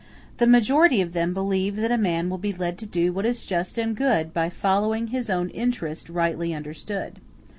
The majority of them believe that a man will be led to do what is just and good by following his own interest rightly understood.